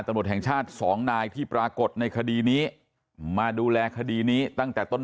ตำรวจแห่งชาติสองนายที่ปรากฏในคดีนี้มาดูแลคดีนี้ตั้งแต่ต้น